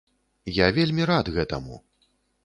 Я вельмі рад гэтаму!